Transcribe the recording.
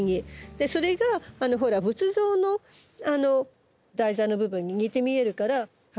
それが仏像の台座の部分に似て見えるから葉っぱが。